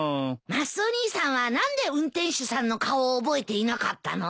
マスオ兄さんは何で運転手さんの顔を覚えていなかったの？